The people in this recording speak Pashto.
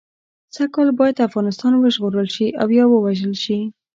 سږ کال باید افغانستان وژغورل شي او یا ووژل شي.